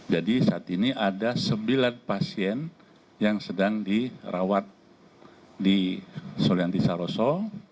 jadi saat ini ada sembilan pasien yang sedang dirawat di sulianti saroso